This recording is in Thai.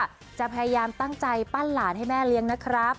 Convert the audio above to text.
จะพยายามตั้งใจปั้นหลานให้แม่เลี้ยงนะครับ